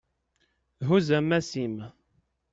Huzz ammas-im.